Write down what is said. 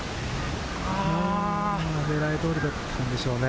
狙い通りだったんでしょうね。